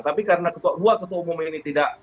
tapi karena dua ketua umum ini tidak